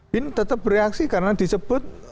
bin tetap bereaksi karena disebut